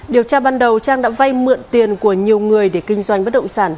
điều tra ban đầu trang đã vay mượn tiền của nhiều người để kinh doanh bất động sản